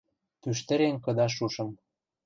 Пӱштӹрем кыдаш шушым.